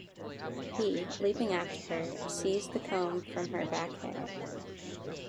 He, leaping after her, seized the comb from her back hair.